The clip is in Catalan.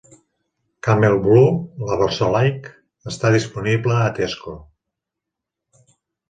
Camel Blue, la versió light, està disponible a Tesco.